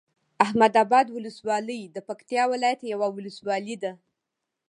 احمداباد ولسوالۍ د پکتيا ولايت یوه ولسوالی ده